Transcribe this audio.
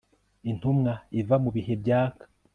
intumwa iva mu bihe byaka